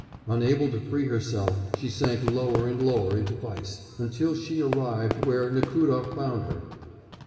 Unable to free herself, she sank lower and lower into vice, until she arrived where Nekhlúdof found her.